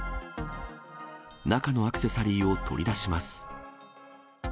中のアクセサリーを取り出します。